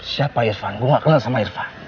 siapa irfan gue gak kenal sama irfan